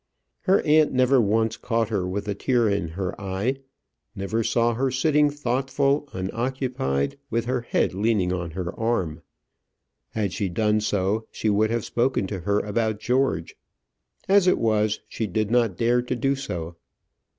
Her aunt never once caught her with a tear in her eye, never saw her sitting thoughtful, unoccupied, with her head leaning on her arm. Had she done so, she would have spoken to her about George. As it was, she did not dare to do so.